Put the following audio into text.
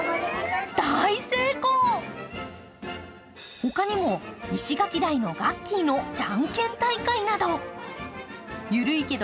ほかにもイシガキダイのガッキーのじゃんけん大会などゆるいけど